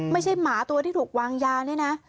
ไม่ใช่หมาตัวที่ถูกวางยาเนี่ยนะ